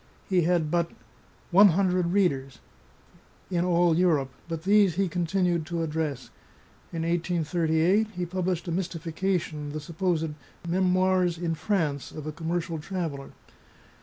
He had but " one hundred readers" in all Europe, but these he continued to address. In 18 j8 he published a mystification, the supposed " Memoirs in France" of a commercial traveller.